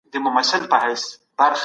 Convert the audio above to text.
د مغفرت سپين غمـــي چــــا ولـرل ؟